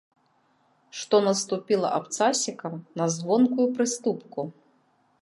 Што наступіла абцасікам на звонкую прыступку.